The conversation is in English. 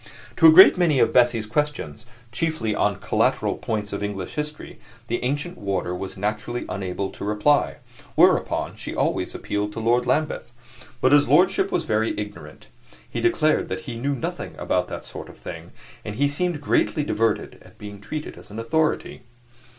To a great many of Bessie's questions chiefly on collateral points of English history the ancient warder was naturally unable to reply; whereupon she always appealed to Lord Lambeth. But his lordship was very ignorant. He declared that he knew nothing about that sort of thing, and he seemed greatly diverted at being treated as an authority.